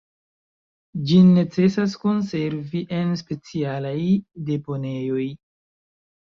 Ĝin necesas konservi en specialaj deponejoj.